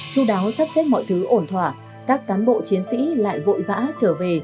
chú đáo sắp xếp mọi thứ ổn thỏa các cán bộ chiến sĩ lại vội vã trở về